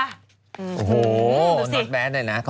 โอ้โหนัดแบนด้วยนะขอบคุณมากค่ะ